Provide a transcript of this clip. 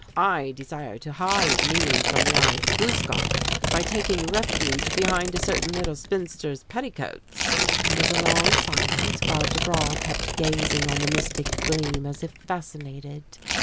I desire to hide me from the 'Eye of Gluskâp' by taking refuge behind a certain little spinster's petticoats!" There was a long silence, while Desbra kept gazing on the mystic gleam as if fascinated.